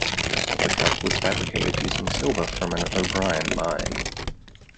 The Cup was fabricated using silver from an O'Brien mine.